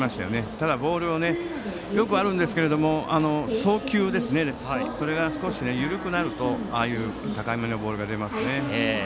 ただ、よくあるんですけども送球が少し緩くなるとああいう高めのボールが出ますね。